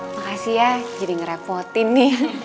makasih ya jadi ngerepotin nih